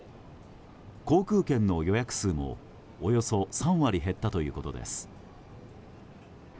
航空券の予約数も、およそ３割減ったということです。